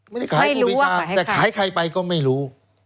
ไม่ได้ขายครูปีชาแต่ขายใครไปก็ไม่รู้